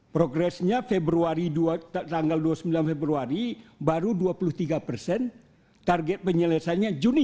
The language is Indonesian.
progresnya februari tanggal dua puluh sembilan februari baru dua puluh tiga persen target penyelesaiannya juni